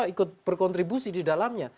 ikut berkontribusi di dalamnya